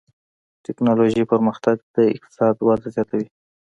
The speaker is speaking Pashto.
د ټکنالوجۍ پرمختګ د اقتصاد وده زیاتوي.